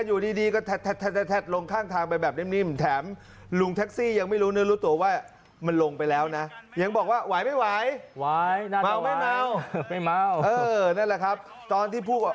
เออลงมาก่อนครับอันตรายลงมาก่อน